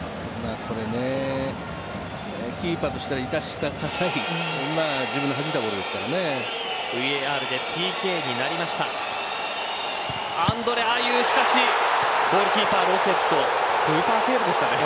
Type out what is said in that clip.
これね、キーパーとしては致し方ない自分ではじいたボールですからね。